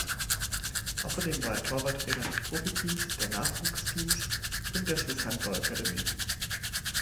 Außerdem war er Torwarttrainer des Profiteams, der Nachwuchsteams und der Swiss Handball Academy.